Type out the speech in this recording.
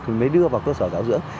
thì mới đưa vào cơ sở giáo dưỡng